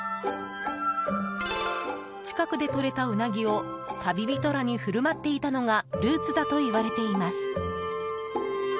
近くでとれたウナギを旅人らに振る舞っていたのがルーツだといわれています。